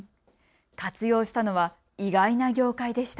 活用したのは意外な業界でした。